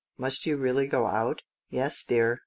" Must you really go out ?" "Yes, dear.